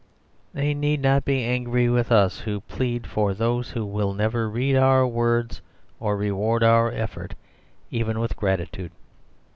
They need not be angry with us, who plead for those who will never read our words or reward our effort, even with gratitude.